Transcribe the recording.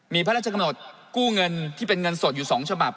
มีพระราชกำหนดกู้เงินที่เป็นเงินสดอยู่๒ฉบับ